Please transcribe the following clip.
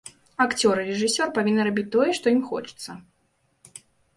Акцёр і рэжысёр павінны рабіць тое, што ім хочацца.